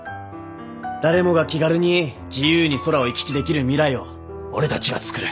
誰もが気軽に自由に空を行き来できる未来を俺たちが作る。